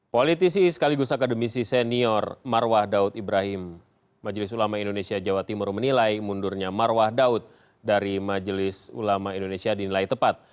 politisi sekaligus akademisi senior marwah daud ibrahim majelis ulama indonesia jawa timur menilai mundurnya marwah daud dari majelis ulama indonesia dinilai tepat